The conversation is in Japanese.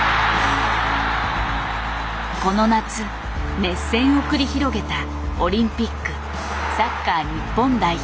この夏熱戦を繰り広げたオリンピックサッカー日本代表。